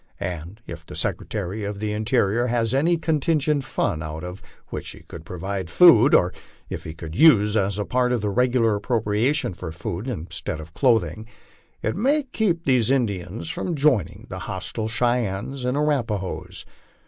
And if the Secretary of the Interior has any contingent fund out of which he could provide food, or if he could use a part of the regular appropriation for food instead of clothing, it may keep these Indians from joining the hostile Cheyennes and Arapahoes.